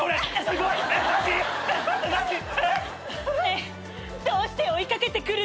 えっ？どうして追い掛けてくるの？